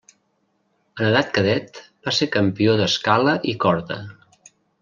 En edat cadet va ser campió d'Escala i Corda.